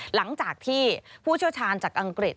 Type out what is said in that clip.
หลังจากที่ผู้เชี่ยวชาญจากอังกฤษ